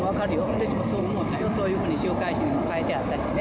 私もそう思うよ、そういうふうに週刊誌に書いてあったしね。